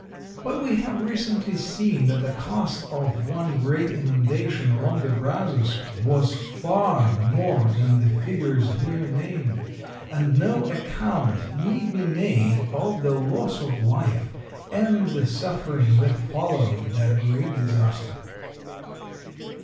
But we have recently seen that the cost of one great inundation along the Brazos was far more than the figures here named, and no account need be made of the loss of life and the suffering that followed that great disaster.